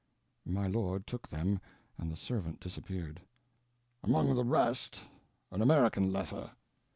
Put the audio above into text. My lord took them, and the servant disappeared. "Among the rest, an American letter.